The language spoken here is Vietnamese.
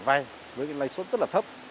vay với cái lây suất rất là thấp